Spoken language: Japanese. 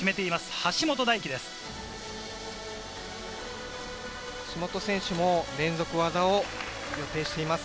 橋本選手も連続技を予定しています。